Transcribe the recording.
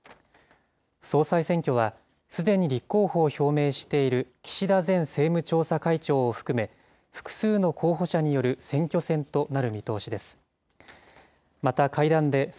総裁選挙は、すでに立候補を表明している岸田前政務調査会長を含め、複数の候補者による選挙戦となる見通しです。